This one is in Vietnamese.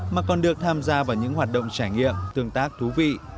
mà còn được tham gia vào những hoạt động trải nghiệm tương tác thú vị